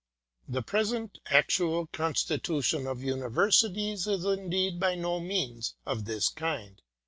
The present actual constitution of Universities is indeed by no means of this kind.